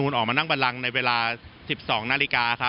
ออกมาเอมือนั่งบรรลังในเวลา๑๒นาฬิกา